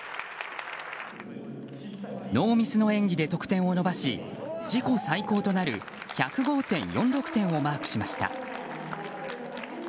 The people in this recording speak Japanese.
ノーミスの演技で得点を伸ばし自己最高となる１０５．４６点をマークしました。